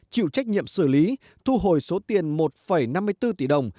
chịu trách nhiệm xử lý thu hồi số tiền một năm mươi bốn tỷ đồng